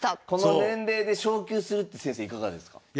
この年齢で昇級するって先生いかがですか？